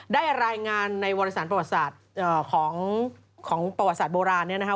ได้รายงานในวรสารประวัติศาสตร์ของประวัติศาสตโบราณเนี่ยนะคะ